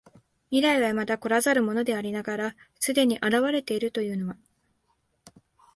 未来は未だ来らざるものでありながら既に現れているというのは、